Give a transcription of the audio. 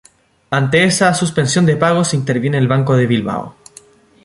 Ante esa suspensión de pagos interviene el Banco de Bilbao.